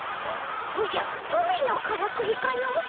おじゃトミーのからくりかの。